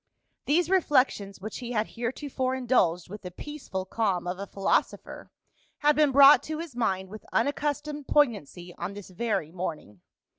These reflections, which he had heretofore indulged with the peaceful calm of a philosopher, had been brought to his mind with unaccustomed poignancy on this very morning.